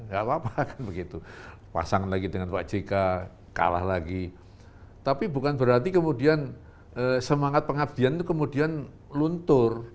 gak apa apa kan begitu pasang lagi dengan pak jk kalah lagi tapi bukan berarti kemudian semangat pengabdian itu kemudian luntur